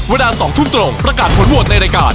วันดาล๒ทุนตรงประกาศผลโหวดในรายการ